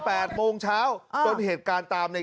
การนอนไม่จำเป็นต้องมีอะไรกัน